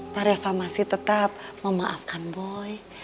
mereva masih tetap memaafkan boy